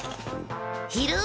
ひる！